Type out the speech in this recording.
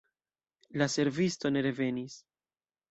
La servisto ne revenis.